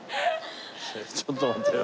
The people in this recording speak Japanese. ちょっと待ってよ。